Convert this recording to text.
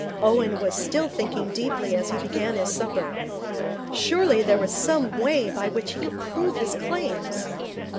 Owen was still thinking deeply as he began his supper. Surely there was some way by which he could prove his claims.